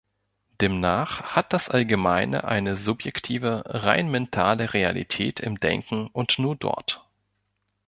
Demnach hat das Allgemeine eine subjektive, rein mentale Realität im Denken und nur dort.